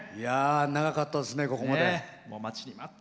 長かったですね、ここまで。